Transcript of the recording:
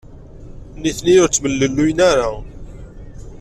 Nitni ur ttemlelluyen ara.